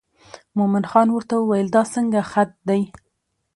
مومن خان ورته وویل دا څنګه خط دی.